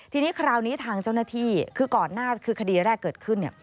ทีนี้คราวนี้ทางเจ้าหน้าที่คือก่อนหน้าคือคดีแรกเกิดขึ้นเนี่ย